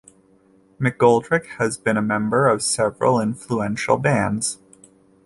McGoldrick has been a member of several influential bands.